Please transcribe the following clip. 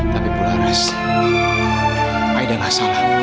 tapi bu lars aida tidak salah